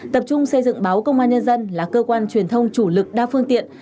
tập trung xây dựng báo công an nhân dân là cơ quan truyền thông chủ lực đa phương tiện